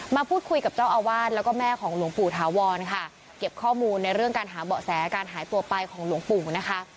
มาพูดคุยกับเจ้าอาวาสแล้วก็แม่ของหลวงปู่ถาวรค่ะเก็บข้อมูลในเรื่องการหาเบาะแสการหายตัวไปของหลวงปู่นะคะ